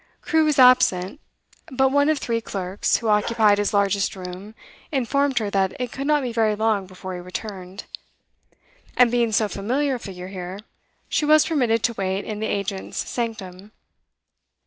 Crewe was absent, but one of three clerks, who occupied his largest room, informed her that it could not be very long before he returned, and being so familiar a figure here, she was permitted to wait in the agent's sanctum.